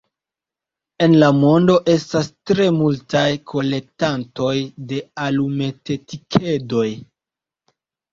En la mondo estas tre multaj kolektantoj de alumetetikedoj.